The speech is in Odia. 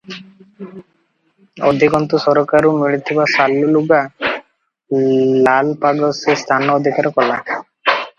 ଅଧିକନ୍ତୁ ସରକାରରୁ ମିଳିଥିବା ଶାଲୁ ଲୁଗା ଲାଲପାଗ ସେ ସ୍ଥାନ ଅଧିକାର କଲା ।